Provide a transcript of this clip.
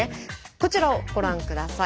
こちらをご覧下さい。